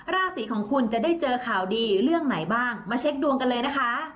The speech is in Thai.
ราศีของคุณจะได้เจอข่าวดีเรื่องไหนบ้างมาเช็คดวงกันเลยนะคะ